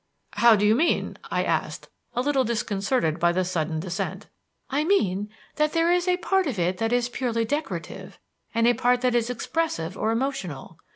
"How do you mean?" I asked a little disconcerted by the sudden descent. "I mean that there is a part of it that is purely decorative and a part that is expressive or emotional.